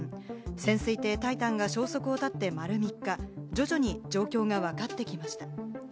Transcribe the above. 潜水艇タイタンが消息を絶って丸３日、徐々に状況がわかってきました。